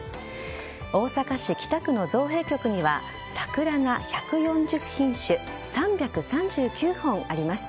大阪市北区の造幣局には桜が１４０品種３３９本あります。